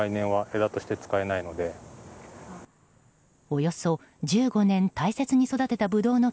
およそ１５年大切に育てたブドウの